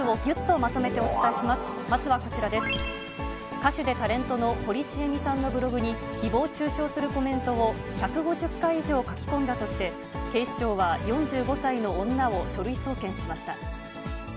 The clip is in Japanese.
歌手でタレントの堀ちえみさんのブログに、ひぼう中傷するコメントを１５０回以上書き込んだとして、警視庁は４５歳の女を書類送検しました。